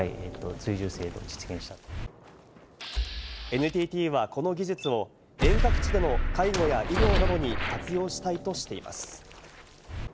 ＮＴＴはこの技術を遠隔地での介護や医療などに活用したいとしています。